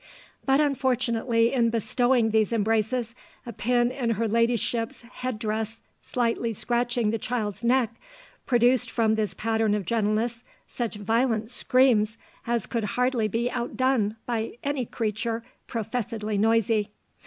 "But unfortunately in bestowing these embraces a pin in her ladyship's head dress slightly scratching the child's neck produced from this pattern of gentleness such violent screams as could hardly be outdone by any creature professedly noisy